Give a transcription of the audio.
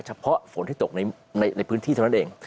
เฉพาะฝนที่ตกในพื้นที่เท่านั้นเอง